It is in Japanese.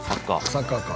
サッカーか。